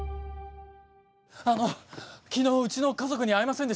あの昨日うちの家族に会いませんでしたか？